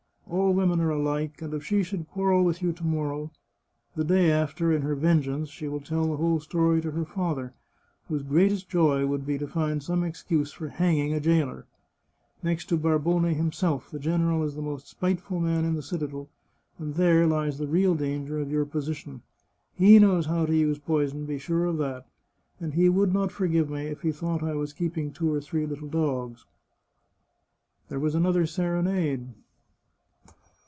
All women are alike, and if she should quarrel with you to morrow, the day after, in her vengeance, she will tell the whole story to her father, whose greatest joy would be to find some excuse for hanging a jailer. Next to Bar bone himself, the general is the most spiteful man in the citadel, and there lies the real danger of your position. He knows how to use poison, be sure of that, and he would not forgive me if he thought I was keeping two or three little dogs." There was another serenade.